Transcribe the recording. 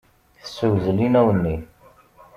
Tessewzel inaw-nni.